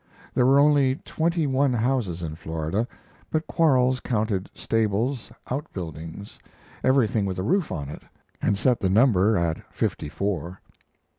There were only twenty one houses in Florida, but Quarles counted stables, out buildings everything with a roof on it and set down the number at fifty four.